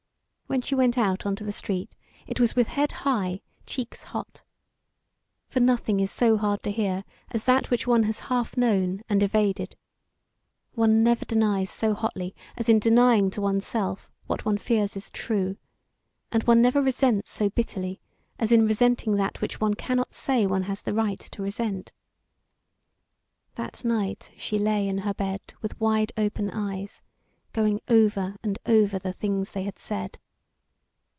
When she went out on the street it was with head high, cheeks hot. For nothing is so hard to hear as that which one has half known, and evaded. One never denies so hotly as in denying to one's self what one fears is true, and one never resents so bitterly as in resenting that which one cannot say one has the right to resent. That night she lay in her bed with wide open eyes, going over and over the things they had said.